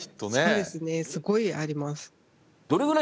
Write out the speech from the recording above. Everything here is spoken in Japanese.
そうですねすごいあります。